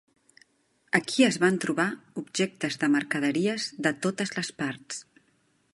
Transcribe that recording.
Aquí es van trobar objectes de mercaderies de totes les parts.